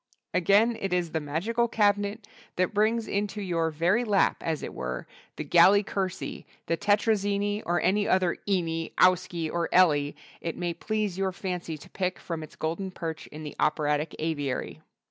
_" Again it is the magical cabinet that brings into your very lap as it were the Galli Curci, the Tetrazzini or any other "ini," "owski" or "elli" it may please your fancy to pick from its golden perch in the operatic aviary.